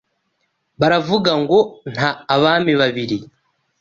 Baravuga ngo Nta abami babiri